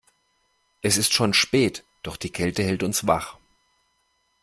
Es ist schon spät, doch die Kälte hält uns wach.